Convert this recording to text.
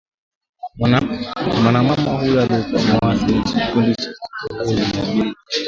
mwanamama huyu alikuwa muasisi mwenza wa Kikundi cha kujitolea cha Usalama cha Manenberg